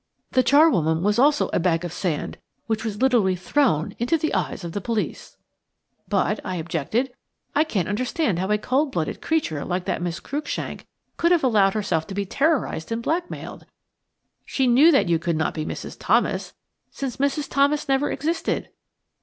The charwoman was also a bag of sand which was literally thrown in the eyes of the police." "But," I objected, "I can't understand how a cold blooded creature like that Miss Cruikshank could have allowed herself to be terrorised and blackmailed. She knew that you could not be Mrs. Thomas, since Mrs. Thomas never existed."